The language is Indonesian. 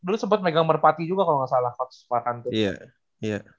lu sempet megang merpati juga kalo gak salah coach farhan tuh